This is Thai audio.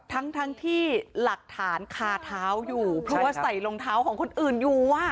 ทั้งทั้งที่หลักฐานคาเท้าอยู่เพราะว่าใส่รองเท้าของคนอื่นอยู่